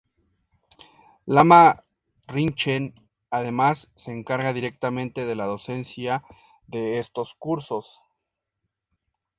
Lama Rinchen además se encarga directamente de la docencia de estos cursos.